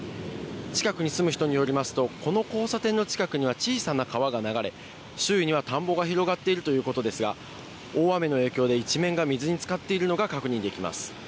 近くに住む人によりますと、この交差点の近くには、小さな川が流れ、周囲には田んぼが広がっているということですが、大雨の影響で、一面が水につかっているのが確認できます。